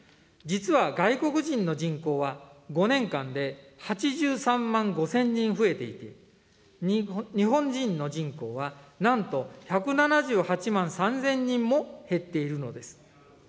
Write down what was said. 実は外国人の人口は、５年間で８３万５０００人増えていて、日本人の人口はなんと１７８万３０００人も減っているのです。